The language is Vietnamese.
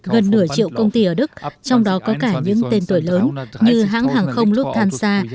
gần nửa triệu công ty ở đức trong đó có cả những tên tuổi lớn như hãng hàng không lúc tham gia